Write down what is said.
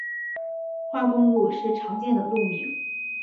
化工路是常见的路名。